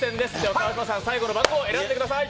川島さん、最後の番号、選んでください。